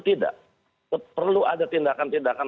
tidak perlu ada tindakan tindakan